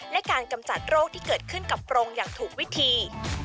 และการกำจัดโรคที่เกิดขึ้นกับโปรงอย่างถูกวิธี